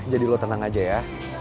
jadi lo tenang aja ya